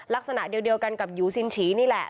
ลักษณะเดียวกันกับยูซินฉีนี่แหละ